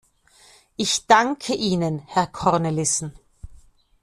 Ich danke Ihnen, Herr Cornelissen.